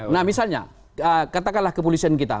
nah misalnya katakanlah kepolisian kita